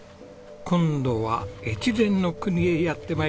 今度は越前の国へやって参りました。